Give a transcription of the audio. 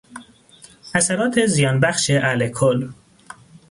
اثرات زیانبخش الکل